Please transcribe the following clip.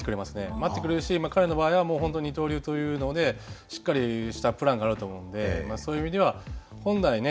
待ってくれるし彼の場合はもう本当に二刀流というのでしっかりしたプランがあると思うのでそういう意味では本来ね